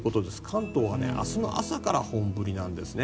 関東は明日の朝から本降りなんですね。